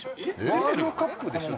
ワールドカップでしょ？